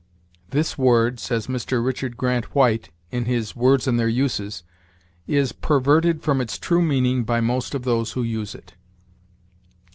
"This word," says Mr. Richard Grant White, in his "Words and Their Uses," "is perverted from its true meaning by most of those who use it."